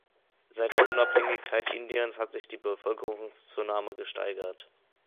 Seit der Unabhängigkeit Indiens hat sich die Bevölkerungszunahme gesteigert.